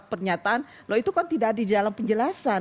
pernyataan loh itu kan tidak ada di dalam penjelasan